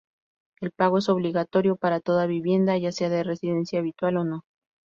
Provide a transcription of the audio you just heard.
El pago es obligatorio para toda vivienda, ya sea de residencia habitual o no.